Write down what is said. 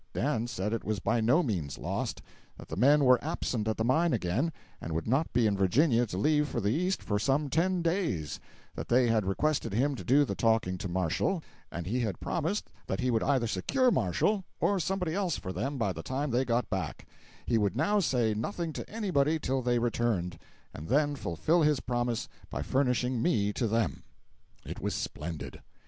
Dan said it was by no means lost; that the men were absent at the mine again, and would not be in Virginia to leave for the East for some ten days; that they had requested him to do the talking to Marshall, and he had promised that he would either secure Marshall or somebody else for them by the time they got back; he would now say nothing to anybody till they returned, and then fulfil his promise by furnishing me to them. It was splendid.